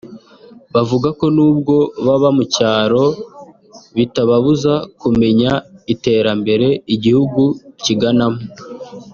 Bavuga ko n’ubwo baba mu cyaro bitababuza kumenya iterambere igihugu kiganamo